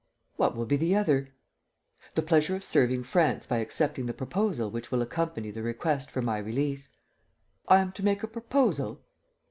"What will be the other?" "The pleasure of serving France by accepting the proposal which will accompany the request for my release." "I am to make a proposal?